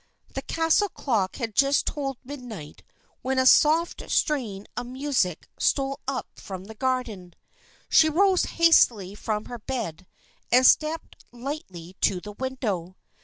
The castle clock had just tolled midnight when a soft strain of music stole up from the garden. She rose hastily from her bed and stepped lightly to the window.